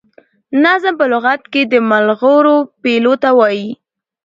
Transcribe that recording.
نظم په لغت کي د ملغرو پېيلو ته وايي.